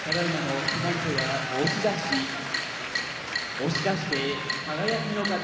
押し出して輝の勝ち。